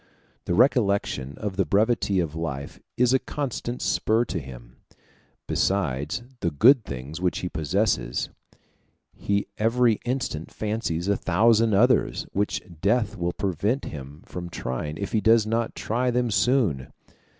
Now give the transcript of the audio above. The recollection of the brevity of life is a constant spur to him. Besides the good things which he possesses, he every instant fancies a thousand others which death will prevent him from trying if he does not try them soon.